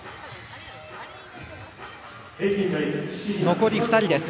残り２人です。